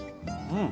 うん。